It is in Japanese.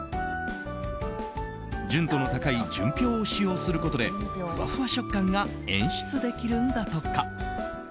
純度の高い純氷を使用することでふわふわ食感が演出できるんだとか。